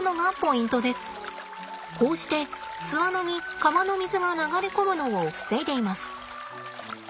こうして巣穴に川の水が流れ込むのを防いでいます。